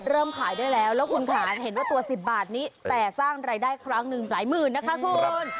เริ่มขายได้แล้วแล้วคุณค่ะเห็นว่าตัว๑๐บาทนี้แต่สร้างรายได้ครั้งหนึ่งหลายหมื่นนะคะคุณ